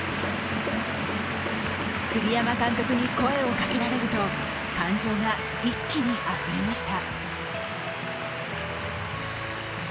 栗山監督に声をかけられると、感情が一気にあふれました。